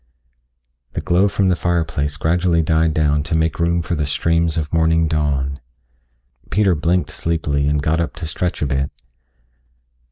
The glow from the fireplace gradually died down to make room for the streams of morning dawn. Peter blinked sleepily and got up to stretch a bit.